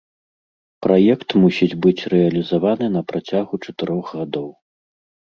Праект мусіць быць рэалізаваны на працягу чатырох гадоў.